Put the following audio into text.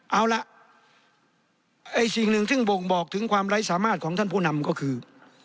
เอาล่ะไอ้สิ่งหนึ่งที่บ่งบอกถึงความไร้สามารถของท่านผู้นำก็คือ